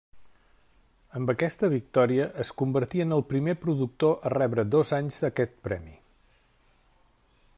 Amb aquesta victòria es convertí en el primer productor a rebre dos anys aquest premi.